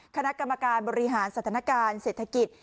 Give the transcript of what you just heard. คณะกรรมการบริหารสถานการณ์เศรษฐกิจ